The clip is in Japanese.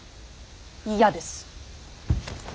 嫌です。